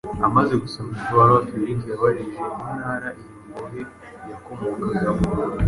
Amaze gusoma iyo baruwa, Feliki yabajije intara iyo mbohe yakomokagamo